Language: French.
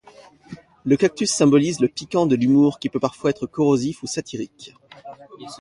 Le cactus symbolise le piquant de l'humour qui parfois peut être corrosif ou satirique.